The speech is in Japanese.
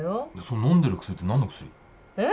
のんでる薬って何の薬？え？